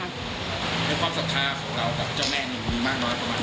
ความสุขภาพของเรากับเจ้าแม่นี่มีมากหรือเปล่า